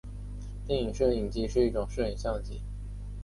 电影摄影机是一种摄影相机。